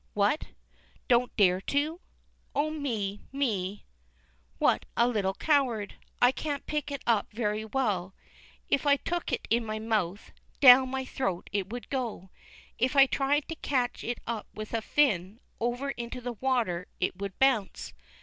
What? Don't dare to? Oh, me, me, what a little coward! I can't pick it up very well. If I took it in my mouth, down my throat it would go. If I tried to catch it up with a fin, over into the water it would bounce.